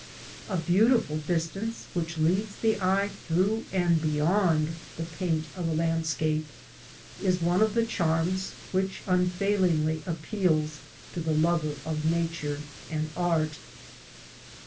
A beautiful distance which leads the eye through and beyond the painf of a landscape, is one of the charms which unfailingly appeals to the lover of Nature and Art.